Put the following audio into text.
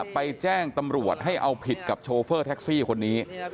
ไปแจ้งตำรวจให้เอาผิดกับโชเฟอร์แท็กซี่คนนี้